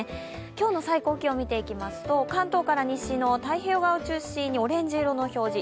今日の最高気温を見ていきますと、関東から西の太平洋側中心にオレンジ色の表示。